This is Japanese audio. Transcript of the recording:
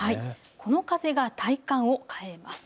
この風が体感を変えます。